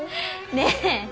ねえ